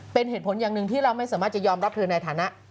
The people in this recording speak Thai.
เป็นเหตุผลอย่างหนึ่งที่เราไม่สามารถจะยอมรับเธอในฐานะ